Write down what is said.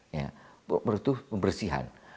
menurut itu pembersihan